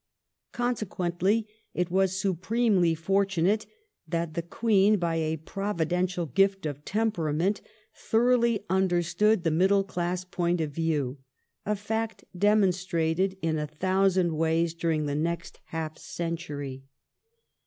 Consequently it was " su premely fortunate that the Queen by a providential gift of tem perament thoroughly understood the middle class point of view "^— a fact demonstrated in a thousand ways during the next half century.